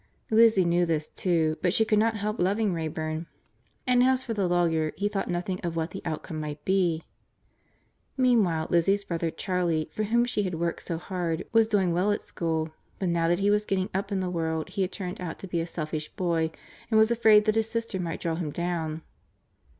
Lizzie knew this, too, but she could not help loving Wrayburn, and as for the lawyer, he thought nothing of what the outcome might be. Meanwhile Lizzie's brother Charley, for whom she had worked so hard, was doing well at school, but now that he was getting up in the world he had turned out to be a selfish boy and was afraid that his sister might draw him down.